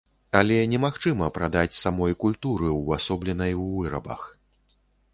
Але немагчыма прадаць самой культуры, увасобленай у вырабах.